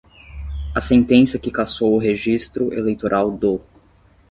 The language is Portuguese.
a sentença que cassou o registro eleitoral do